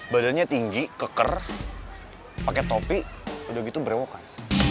badannya tinggi keker pakai topi udah gitu berewokan